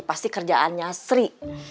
pasti kerjaannya sri